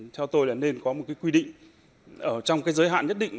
theo tôi là nên có một cái quy định ở trong cái giới hạn nhất định